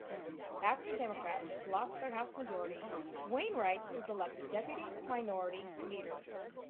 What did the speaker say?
After Democrats lost their House majority, Wainwright was elected deputy minority leader.